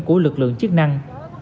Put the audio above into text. của lực lượng chức năng